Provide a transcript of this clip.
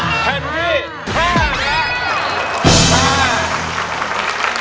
แผ่นที่๕ครับ